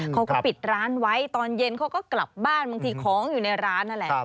เขาก็ปิดร้านไว้ตอนเย็นเขาก็กลับบ้านบางทีของอยู่ในร้านนั่นแหละ